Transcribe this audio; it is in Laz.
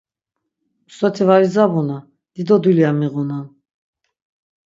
Soti var idzabuna, dido dulya miğunan.